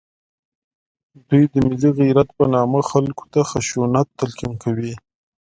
دوی د ملي غیرت په نامه خلکو ته خشونت تلقین کوي